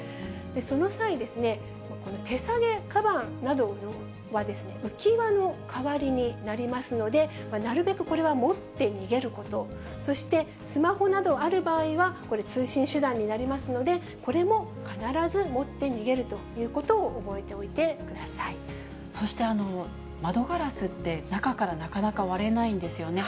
その際、手提げかばんなどは浮き輪の代わりになりますので、なるべくこれは持って逃げること、そしてスマホなどある場合は、これ、通信手段になりますので、これも必ず持って逃げるということを覚そして、窓ガラスって、中から、なかなか割れないんですよね。